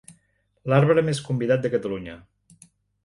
L'arbre més convidat de Catalunya.